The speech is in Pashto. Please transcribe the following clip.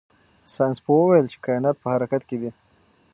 ساینس پوه وویل چې کائنات په حرکت کې دي.